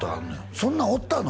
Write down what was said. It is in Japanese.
そんなんおったの？